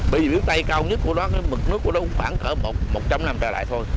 bởi vì biển tây cao nhất của nó mực nước của nó cũng khoảng khoảng một trăm linh năm trở lại thôi